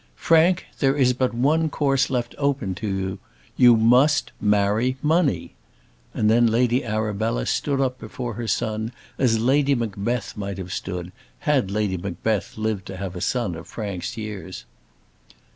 "Frank there is but one course left open to you. You MUST marry money." And then Lady Arabella stood up before her son as Lady Macbeth might have stood, had Lady Macbeth lived to have a son of Frank's years.